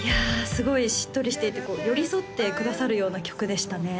すごいしっとりしていて寄り添ってくださるような曲でしたね